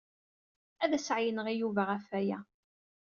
Ad as-ɛeyyneɣ i Yuba ɣef waya.